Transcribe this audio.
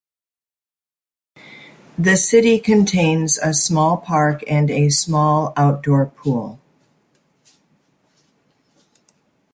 The city contains a small park and a small outdoor pool.